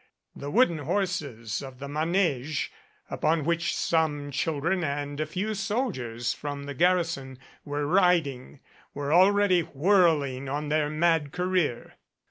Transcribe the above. The wooden horses of the manege, upon which some children and a few soldiers from the garrison were riding, were already whirling on their mad career.